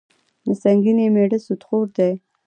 د سنګینې میړه سودخور دي.